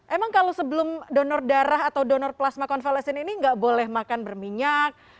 emang kalau sebelum donor darah atau donor plasma konvalesen ini nggak boleh makan berminyak